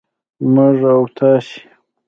موږ و تاسې